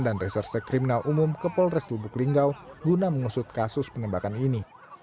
dan reserse kriminal umum ke polres lubuk linggau guna mengusut kasus penembakan ini